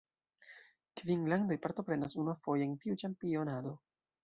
Kvin landoj partoprenas unuafoje en tiu ĉampionado.